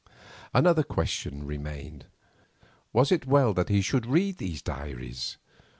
Another question remained. Was it well that he should read these diaries?